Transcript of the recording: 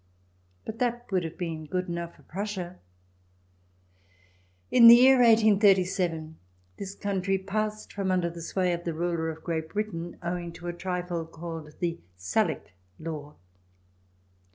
But that would have been good enough for Prussia. In the year 1837 this country passed from under the sway of the ruler of Great Britain, owing to a trifle called the Salic law.